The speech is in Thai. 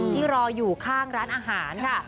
รออยู่ข้างร้านอาหารค่ะ